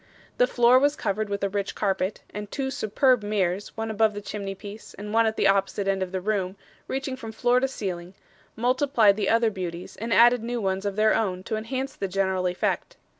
The floor was covered with a rich carpet; and two superb mirrors, one above the chimneypiece and one at the opposite end of the room reaching from floor to ceiling, multiplied the other beauties and added new ones of their own to enhance the general effect.